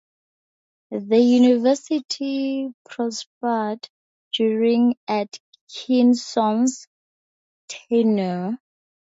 The University prospered during Atkinson's tenure.